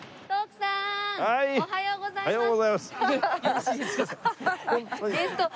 おはようございます。